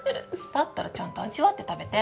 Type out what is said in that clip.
だったらちゃんと味わって食べて。